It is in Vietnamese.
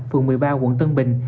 phường một mươi ba quận tân bình